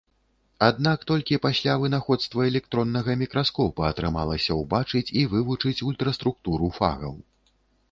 Аднак толькі пасля вынаходства электроннага мікраскопа атрымалася ўбачыць і вывучыць ультраструктуру фагаў.